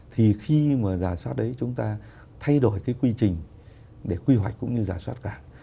thì khi mà rà soát đấy chúng ta thay đổi cái quy trình để quy hoạch cũng như rà soát cảng